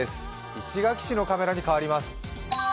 石垣市のカメラに変わります。